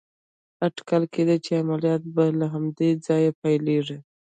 اټکل کېده چې عملیات به له همدې ځایه پيلېږي.